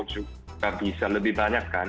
juga bisa lebih banyak kan